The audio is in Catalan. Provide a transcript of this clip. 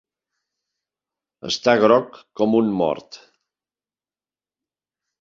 Està groc com un mort.